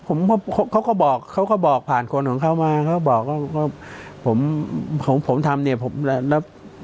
ผมก็เขาก็บอกเขาก็บอกผ่านคนของเขามาเขาบอกว่าผมของผมทำเนี่ยผมแล้ว